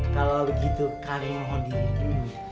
kalau begitu kami mohon diri dulu